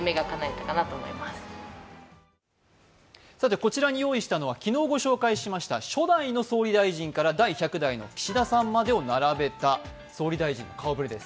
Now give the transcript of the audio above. こちらに用意したのは昨日ご紹介した初代の総理大臣から第１００代の岸田さんまでを並べた総理大臣の顔ぶれです。